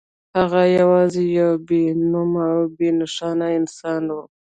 هغه یوازې یو بې نومه او بې نښانه انسان و